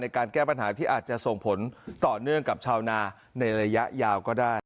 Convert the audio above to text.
การแก้ปัญหาที่อาจจะส่งผลต่อเนื่องกับชาวนาในระยะยาวก็ได้